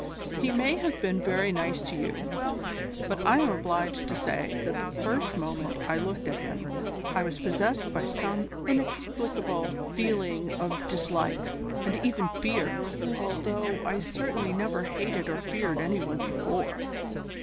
He may have been very nice to you, but I am obliged to say that the first moment I looked at him I was possessed by some inexplicable feeling of dislike, and even fear, although I certainly never hated or feared any one before.